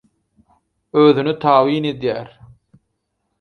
Özüne tabyn edýär.